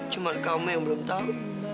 cuma kamu yang belum tahu